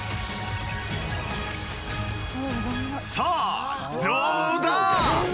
さあどうだ！？